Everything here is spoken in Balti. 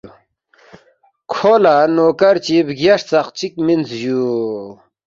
کھو لہ نوکر چی بگیا ہرژقچِک مِنس جُو